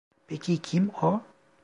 Peki kim o?